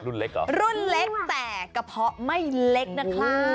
เล็กเหรอรุ่นเล็กแต่กระเพาะไม่เล็กนะคะ